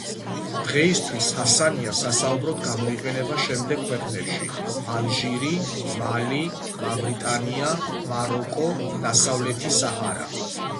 დღეისთვის ჰასანია სასაუბროდ გამოიყენება შემდეგ ქვეყნებში: ალჟირი, მალი, მავრიტანია, მაროკო, დასავლეთი საჰარა.